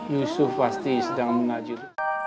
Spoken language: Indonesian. yusuf pasti sedang menajud